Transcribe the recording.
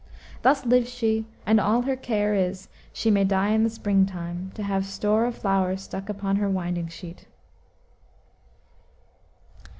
Thus lives she, and all her care is she may die in the spring time, to have store of flowers stuck upon her winding sheet."